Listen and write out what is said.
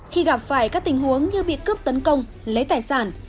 khi gặp phải các tình huống như bị cướp tấn công lấy tài sản